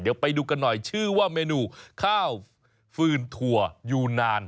เดี๋ยวไปดูกันหน่อยชื่อว่าเมนูข้าวฟืนถั่วยูนาน